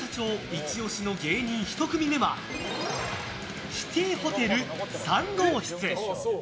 イチ押しの芸人１組目はシティホテル３号室。